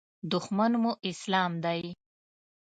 دښمن مو اسلام دی.